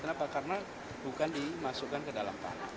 kenapa karena bukan dimasukkan ke dalam tanah